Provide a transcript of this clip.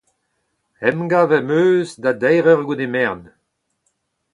Emgav am eus da deir eur goude merenn.